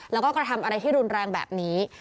แล้วก็กระทำอะไรที่รุนแรงแบบนี้